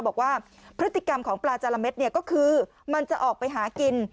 บอกว่าพฤติกรรมของปลาจาระเม็ดเนี่ยก็คือมันจะออกไปหากิน